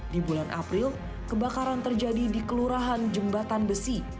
di bulan april kebakaran terjadi di kelurahan jembatan besi